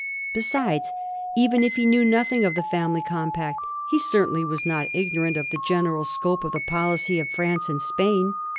Besides, even if he knew nothing of the fam ily compact, he certainly was not ignorant of the general scope of the policy of France and of Spain.